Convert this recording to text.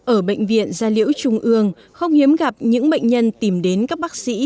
ở bệnh viện gia liễu trung ương không hiếm gặp những bệnh nhân tìm đến các bác sĩ